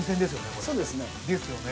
これそうですねですよね